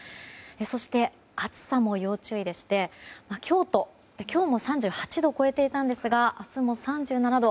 そして、暑さも要注意でして京都、今日も３８度を超えていたんですが明日も３７度。